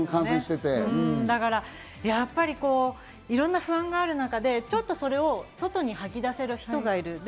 いろんな不安がある中で、ちょっとそれを外に吐き出せる人がいる。